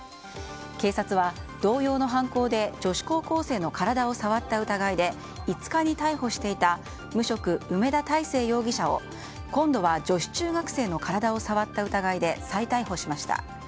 警察は、同様の犯行で女子高校生の体を触った疑いで５日に逮捕していた無職、梅田大成容疑者を今度は、女子中学生の体を触った疑いで再逮捕しました。